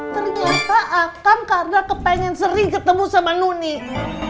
ternyata akan karena kepengen sering ketemu sama nunik